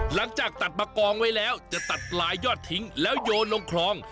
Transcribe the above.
หลังจากตัดมากองไว้แล้วจะตัดปลายยอดทิ้งแล้วโยนลงคลอง